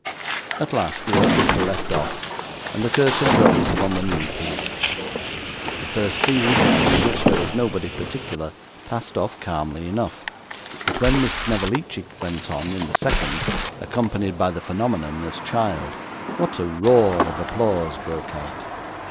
At last, the orchestra left off, and the curtain rose upon the new piece. The first scene, in which there was nobody particular, passed off calmly enough, but when Miss Snevellicci went on in the second, accompanied by the phenomenon as child, what a roar of applause broke out!